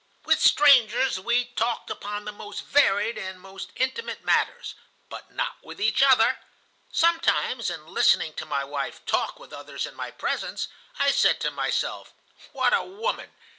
With strangers we talked upon the most varied and most intimate matters, but not with each other. Sometimes, in listening to my wife talk with others in my presence, I said to myself: 'What a woman!